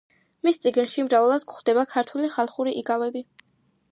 მის წიგნში მრავლად გვხვდება ქართული ხალხური იგავები.